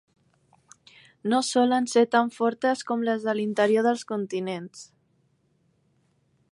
No solen ser tan fortes com les de l’interior dels continents.